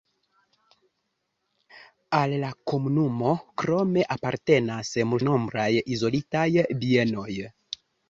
Al la komunumo krome apartenas multnombraj izolitaj bienoj.